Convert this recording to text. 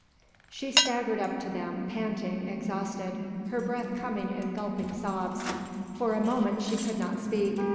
She staggered up to them, panting, exhausted, her breath coming in gulping sobs. For a moment she could not speak.